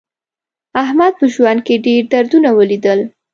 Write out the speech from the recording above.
احمد په ژوند کې ډېر دردونه ولیدل.